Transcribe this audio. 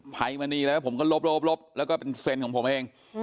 ภัยมณีแล้วผมก็ลบแล้วก็เป็นเซ็นของผมเอง